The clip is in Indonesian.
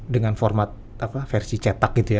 dengan format versi cetak gitu ya